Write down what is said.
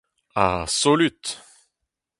Ha solut !